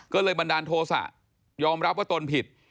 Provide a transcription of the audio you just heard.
ก็เลยบันดาลโทษะยอมรับว่าตนผิด